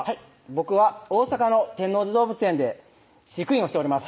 僕は大阪の天王寺動物園で飼育員をしております